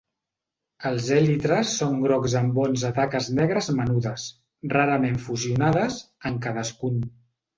Els èlitres són grocs amb onze taques negres menudes, rarament fusionades, en cadascun.